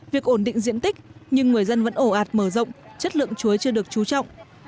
việc ổn định diện tích nhưng người dân vẫn ổ ạt mở rộng chất lượng chuối chưa được trú trọng